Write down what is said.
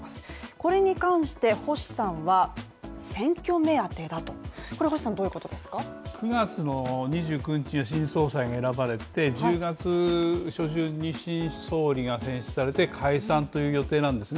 これに関して星さんは選挙目当てだとこれ星さんどういうことですか９月の２９日に新総裁に選ばれて１０月初旬に新総理が選出されて解散という予定なんですよね